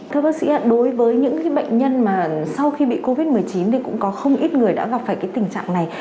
thưa bác sĩ đối với những bệnh nhân mà sau khi bị covid một mươi chín thì cũng có không ít người đã gặp phải tình trạng này